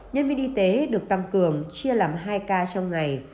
nhân viên y tế được tăng cường chia làm hai ca trong ngày